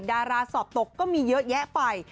ดาราสอบตกก็มีเยอะแยะไป